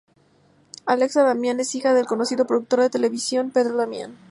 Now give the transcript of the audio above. Alexa Damián es hija del conocido productor de televisión Pedro Damián.